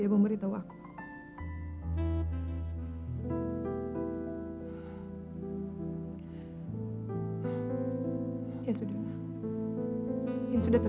rani sekretarismu itu